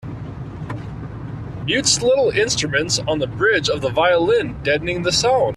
Mutes little instruments on the bridge of the violin, deadening the sound